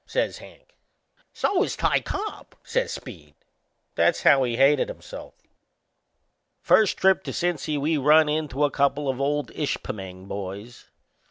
says Hank. "So is Ty Cobb," says Speed. That's how he hated himself! First trip to Cincy we run into a couple of old Ishpeming boys.